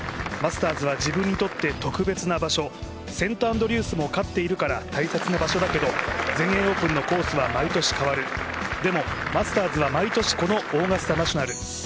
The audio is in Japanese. マスターズは自分にとって特別な場所、セントアンドリュースも勝っているから大切な場所だけど全英オープンのコースは毎年変わる、でもマスターズは、毎年このオーガスタナショナル。